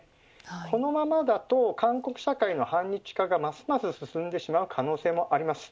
このままだと韓国社会の反日化がますます進んでしまう可能性もあります。